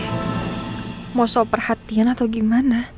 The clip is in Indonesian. idin output nol tai yum